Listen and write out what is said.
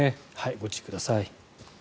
ご注意ください。